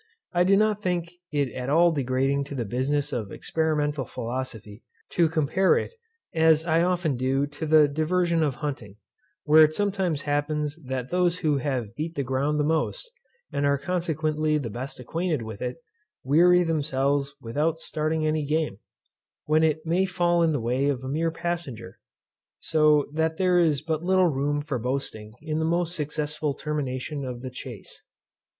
I do not think it at all degrading to the business of experimental philosophy, to compare it, as I often do, to the diversion of hunting, where it sometimes happens that those who have beat the ground the most, and are consequently the best acquainted with it, weary themselves without starting any game; when it may fall in the way of a mere passenger; so that there is but little room for boasting in the most successful termination of the chace.